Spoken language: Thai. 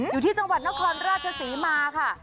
อยู่ที่จังหวัดนครราชศรีมาค่ะ